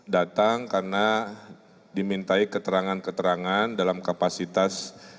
datang karena dimintai keterangan keterangan dalam kapasitas